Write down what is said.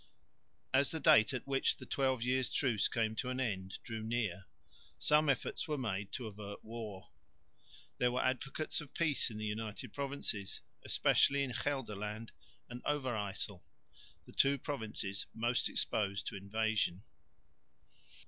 As the date at which the Twelve Years' Truce came to an end drew near, some efforts were made to avert war. There were advocates of peace in the United Provinces, especially in Gelderland and Overyssel, the two provinces most exposed to invasion.